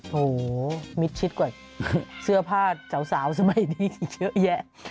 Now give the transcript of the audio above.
โหมิตรชิดกว่าเสื้อผ้าเจ้าสมัยนี้เยอะแยะ